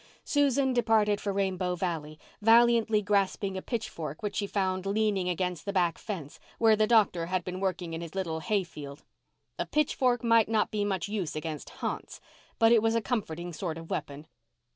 Susan departed for Rainbow Valley, valiantly grasping a pitchfork which she found leaning against the back fence where the doctor had been working in his little hay field. A pitchfork might not be of much use against "ha'nts," but it was a comforting sort of weapon.